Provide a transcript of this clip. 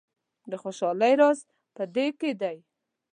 د خوشحالۍ راز په دې کې دی.